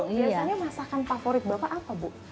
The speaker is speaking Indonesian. biasanya masakan favorit bapak apa bu